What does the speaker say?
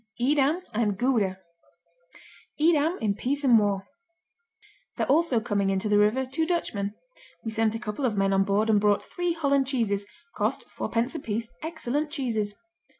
Edam and Gouda Edam in Peace and War There also coming into the river two Dutchmen, we sent a couple of men on board and brought three Holland cheeses, cost 4d. a piece, excellent cheeses.